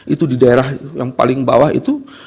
itu di daerah yang paling bawah itu